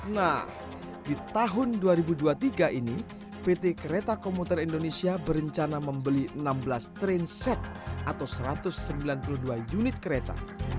nah di tahun dua ribu dua puluh tiga ini pt kereta komuter indonesia berencana membeli enam belas trainset atau satu ratus sembilan puluh dua unit kereta